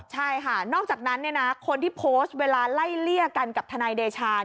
ใช่ค่ะนอกจากนั้นคนที่โพสต์เวลาไล่เลี่ยกันกับทนายเดชา